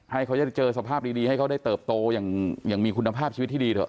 ให้เขาจะเจอสภาพดีให้เขาได้เติบโตอย่างมีคุณภาพชีวิตที่ดีเถอ